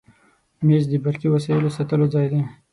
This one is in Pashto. مېز د برقي وسایلو ساتلو ځای دی.